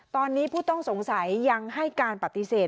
ตอนนี้ผู้ต้องสงสัยยังให้การปฏิเสธ